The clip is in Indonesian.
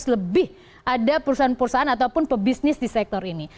empat tujuh ratus lebih ada perusahaan perusahaan ataupun pebisnis di sektor ini